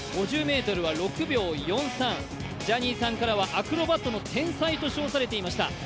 ５０ｍは６秒４３、ジャニーさんからはアクロバットの天才と称されていました。